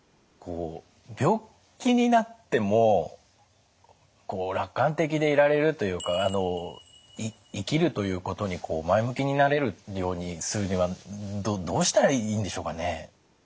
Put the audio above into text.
病気になっても楽観的でいられるというか生きるということに前向きになれるようにするにはどうしたらいいんでしょうかね？